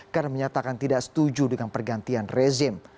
karena menyatakan tidak setuju dengan pergantian rezim